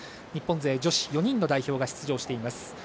日本勢女子４人の代表が出場しています。